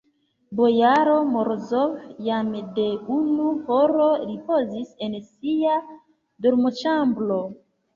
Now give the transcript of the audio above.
Bojaro Morozov jam de unu horo ripozis en sia dormoĉambro.